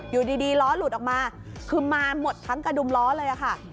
อยู่ดีล้อหลุดออกมาคือมาหมดทั้งกระดุมล้อเลยค่ะ